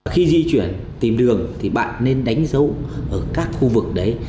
khi di chuyển tìm đường thì bạn nên đánh dấu ở các khu vực đấy